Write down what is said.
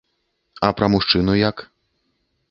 А пра мужчыну як?